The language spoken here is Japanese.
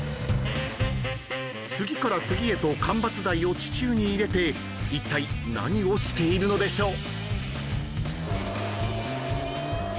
［次から次へと間伐材を地中に入れていったい何をしているのでしょう？］